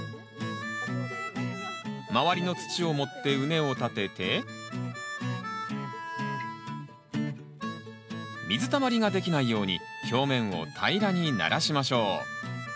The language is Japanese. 周りの土を盛って畝を立てて水たまりができないように表面を平らにならしましょう。